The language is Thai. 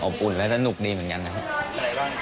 อุ่นและสนุกดีเหมือนกันนะครับ